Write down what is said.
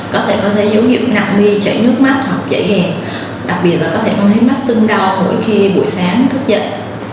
có thể có thể dấu hiệu nặng mi chảy nước mắt hoặc chảy ghẹn đặc biệt là có thể có thấy mắt sưng đau mỗi khi buổi sáng thức dậy